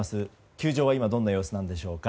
球場は今どんな様子でしょうか。